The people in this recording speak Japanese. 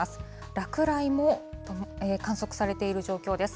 落雷も観測されている状況です。